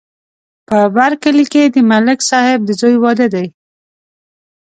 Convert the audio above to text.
په بر کلي کې د ملک صاحب د زوی واده دی